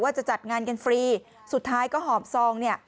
จะจัดงานกันฟรีสุดท้ายก็หอบซองเนี่ย